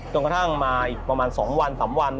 ตรงกระทั่งมาอีกประมาณสองวันสามวัน